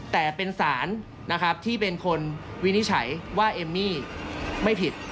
แต่เป็นศาลนะครับที่เป็นคนวินิจฉัยว่าเอมมี่ไม่ผิด